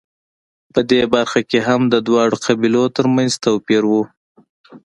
په دې برخه کې هم د دواړو قبیلو ترمنځ توپیر و